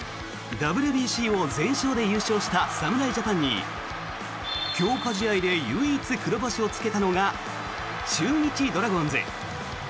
ＷＢＣを全勝で優勝した侍ジャパンに強化試合で唯一黒星をつけたのが中日ドラゴンズ。